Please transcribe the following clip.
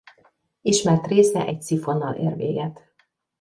Ismert része egy szifonnal ér véget.